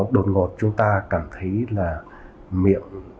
đột ngột chúng ta cảm thấy là miệng